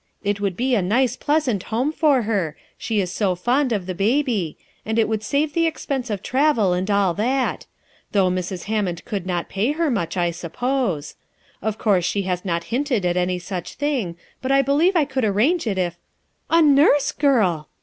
It would be a nice pleasant home for her — she is so fond of the baby — and it would save the expense of travel and all that; though Mrs. Hammond could not pay her much, I suppose. Of course she has not hinted at any such thing but I be lieve I could arrange it if — "A nurse girl!"